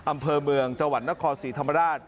อำเภอเมืองจังหวัดนครศรีธรรมราช